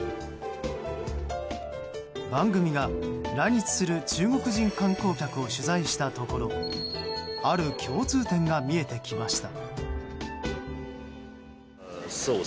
番組が、来日する中国人観光客を取材したところある共通点が見えてきました。